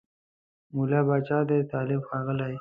مُلا پاچا دی طالب ښاغلی